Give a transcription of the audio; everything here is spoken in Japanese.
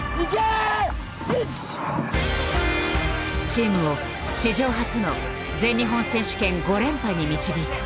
チームを史上初の全日本選手権５連覇に導いた。